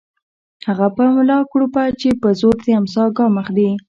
هغه په ملا کړوپه چې په زور د امساء ګام اخلي